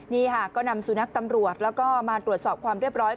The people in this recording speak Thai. นี่ค่ะก็นำสุนัขตำรวจแล้วก็มาตรวจสอบความเรียบร้อย